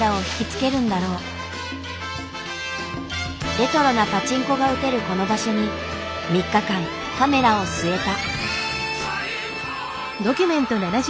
レトロなパチンコが打てるこの場所に３日間カメラを据えた。